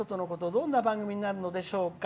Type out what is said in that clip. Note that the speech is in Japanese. どんな番組になるのでしょうか。